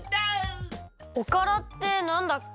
おからってなんだっけ？